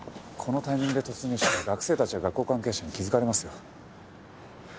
このタイミングで突入したら学生たちや学校関係者に気づかれますよ。